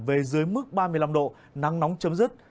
về dưới mức ba mươi năm độ nắng nóng chấm dứt